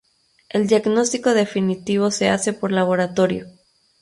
El diagnóstico definitivo se hace por laboratorio.